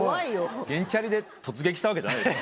原チャリで突撃したわけじゃないですよ。